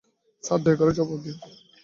Sir, দয়া করে জবাব দিন।